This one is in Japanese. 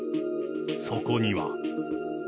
そこには。